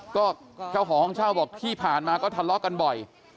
ก็เจ้าของห้องเช่าบอกที่ผ่านมาก็ทะเลาะกันบ่อย